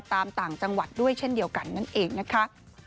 ต่างจังหวัดด้วยเช่นเดียวกันนั่นเองนะคะ